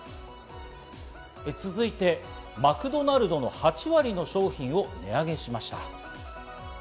続いて、マクドナルドの８割の商品を値上げしました。